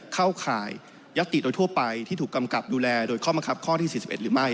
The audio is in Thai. ข่ายยัตติโดยทั่วไปที่ถูกกำกับดูแลโดยข้อมังคับข้อที่๔๑หรือไม่